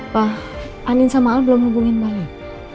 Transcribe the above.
pak anin sama al belum hubungin balik